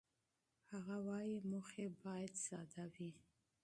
هغه وايي، موخې باید ساده وي.